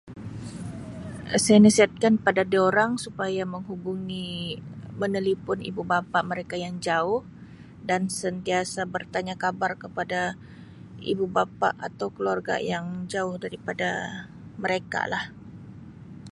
Um Saya nasihatkan kepada diorang supaya menghubungi menelipun ibu-bapa mereka yang jauh dan sentiasa bertanya khabar kepada ibu-bapa atau keluarga yang jauh daripada mereka lah.